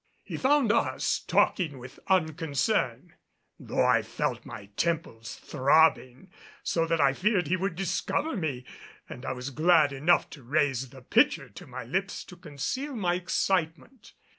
He found us talking with unconcern; though I felt my temples throbbing so that I feared he would discover me, and I was glad enough to raise the pitcher to my lips to conceal my excitement.